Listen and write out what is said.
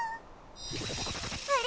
あれ？